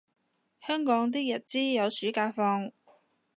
香港啲日資有暑假放